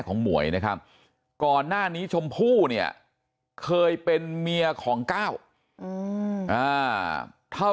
หมวยนะครับก่อนหน้านี้ชมพู่เนี่ยเคยเป็นเมียของก้าวเท่า